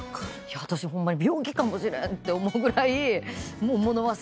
私ホンマに病気かもしれんって思うぐらいもう物忘れ